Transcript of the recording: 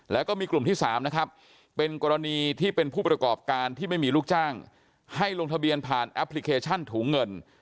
แล้วก็มีกลุ่มที่๓นะครับเป็นกรณีที่เป็นผู้ประกอบการที่ไม่มีลูกจ้างให้ลงทะเบียนผ่านแอปพลิเคชันถุงเงิน